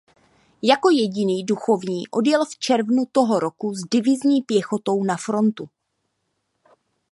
Jako jediný duchovní odjel v červnu toho roku s divizní pěchotou na frontu.